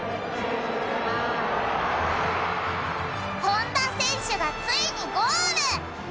本田選手がついにゴール！